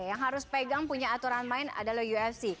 yang harus pegang punya aturan main adalah ufc